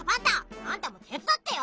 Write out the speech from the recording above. あんたもてつだってよ！